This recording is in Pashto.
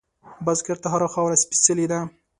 بزګر ته هره خاوره سپېڅلې ده